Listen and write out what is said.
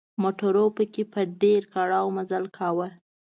موټرو پکې په ډېر کړاو مزل کاوه.